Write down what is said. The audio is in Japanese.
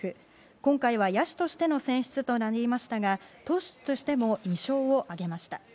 今回は野手としての選出となりましたが、投手としても２勝を挙げました。